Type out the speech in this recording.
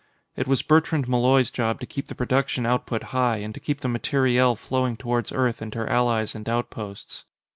It was Bertrand Malloy's job to keep the production output high and to keep the materiel flowing towards Earth and her allies and outposts.